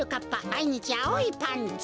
まいにちあおいパンツ。